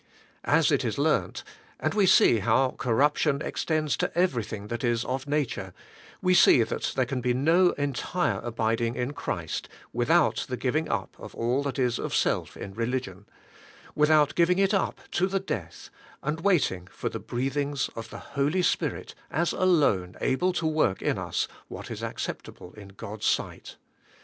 ' As it is learnt, and we see how corruption extends to everything that is of nature, we see that there can be no entire abiding in Christ without the giving up of all that is of self in religion, — without giving it up to the death, and waiting for the breath ings of the Holy Spirit as alone able to work in us what is acceptable in God's sight.